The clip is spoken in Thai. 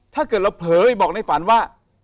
ถ้าเกิดเราเผยบอกในฝันว่า